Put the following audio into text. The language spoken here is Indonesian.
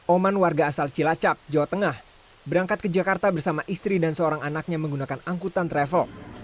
oman warga asal cilacap jawa tengah berangkat ke jakarta bersama istri dan seorang anaknya menggunakan angkutan travel